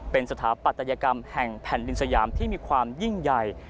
เป็นสถาปัตยกรรมแห่งแผ่นดินสยามที่มีความยิ่งใหญ่